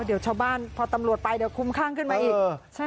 เดี๋ยวชาวบ้านพอตำรวจไปเดี๋ยวคุ้มข้างขึ้นมาอีก